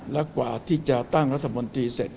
และกว่าที่จะตั้งรัฐมนตรีเสร็จ